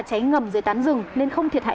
cháy ngầm dưới tán rừng nên không thiệt hại